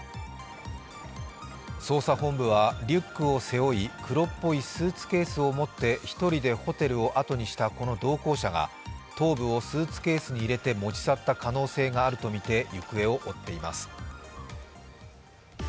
捜査本部はリュックを背負い黒っぽいスーツケースを持って１人でホテルをあとにしたこの同行者が頭部をスーツケースに入れて持ち去った可能性があるとみて行方を追っています。